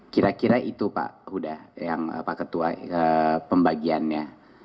kira kira itu pak huda yang pak ketua pembagiannya